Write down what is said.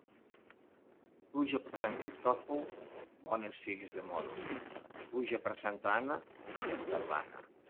Pluja per Sant Cristòfol, bones figues de moro; pluja per Santa Anna, ja és tardana.